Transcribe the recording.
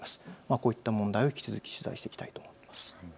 こういった問題を引き続き取材していきたいと思います。